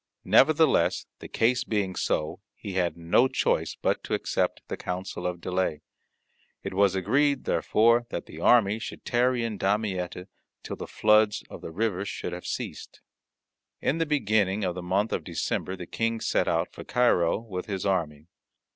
Nevertheless, the case being so, he had no choice but to accept the counsel of delay. It was agreed, therefore, that the army should tarry in Damietta till the floods of the river should have ceased. In the beginning of the month of December the King set out for Cairo with his army.